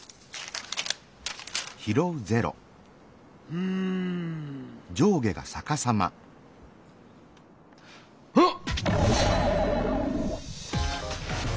うん。あっ！